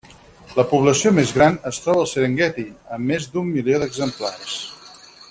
La població més gran es troba al Serengueti, amb més d'un milió d'exemplars.